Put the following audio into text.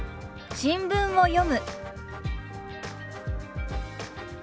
「新聞を読む」。